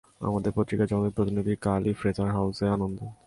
আমাদের পত্রিকার জনৈক প্রতিনিধি কালই ফ্রেজার হাউস-এ কানন্দের সহিত দেখা করেন।